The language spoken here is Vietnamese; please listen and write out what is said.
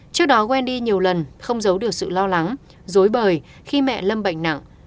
trước đó wendy nhiều lần không giấu được sự lo lắng dối bời khi mẹ lâm bệnh nặng